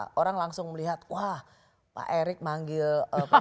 orang orang langsung melihat wah pak hercu manggil presiden fifa